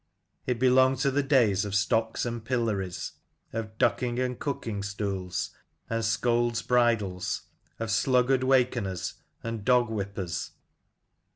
It belonged to the days of stocks and pillories, of ducking and cucking stools, and scolds' bridles, of sluggard wakeners, and dog whippers.